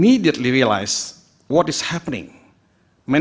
bisa dilihat di berita